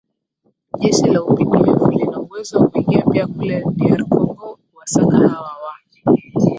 jeshi la updf lina uwezo wa kuingia pia kule dr congo kuwasaka hawa wa